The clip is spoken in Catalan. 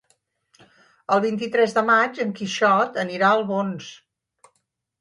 El vint-i-tres de maig en Quixot anirà a Albons.